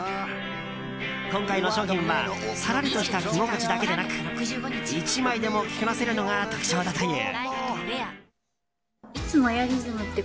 今回の商品はさらりとした着心地だけでなく１枚でも着こなせるのが特徴だという。